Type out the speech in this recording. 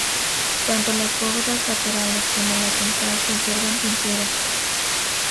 Tanto las bóvedas laterales como la central conservan pintura.